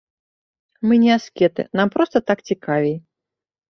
Мы не аскеты, нам проста так цікавей.